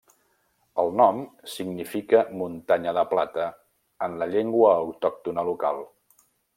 El nom significa 'muntanya de plata' en la llengua autòctona local.